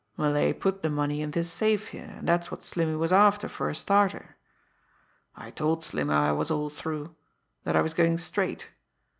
Malay put the money in this safe here, and that's what Slimmy was after for a starter. I told Slimmy I was all through that I was goin' straight.